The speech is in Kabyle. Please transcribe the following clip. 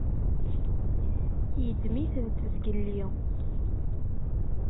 Yeddem-itent zgelli.